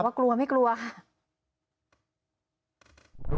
กลัวไม่กลัวค่ะ